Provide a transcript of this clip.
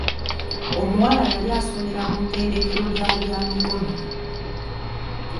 Omuwala yali asomera mu ttendekero lya bya mikono.